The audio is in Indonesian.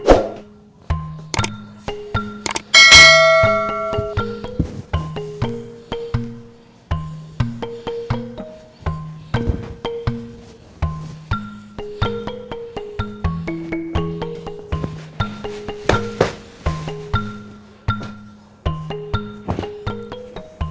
tempat tidurnya juga berantakan